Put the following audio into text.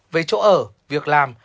về chỗ ở việc làm